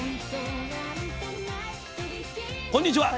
こんにちは。